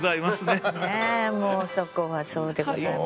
もうそこはそうでございますね。